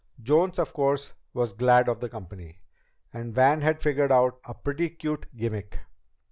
Jones, of course, was glad of the company. And Van had figured out a pretty cute gimmick.